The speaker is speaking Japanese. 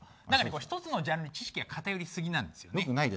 一つのジャンルに知識が偏り過ぎなんですよね。